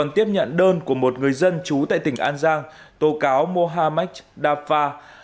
tiếp nhận đơn của một người dân trú tại tỉnh an giang tố cáo mohamadji jaffa